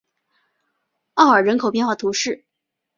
奥尔人口变化图示